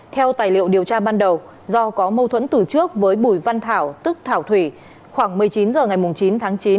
theo tài liệu điều tra ban đầu do có mâu thuẫn từ trước với bùi văn thảo tức thảo thủy khoảng một mươi chín h ngày chín tháng chín